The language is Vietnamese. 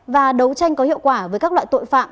và đấu tranh có hiệu quả với các loại tội phạm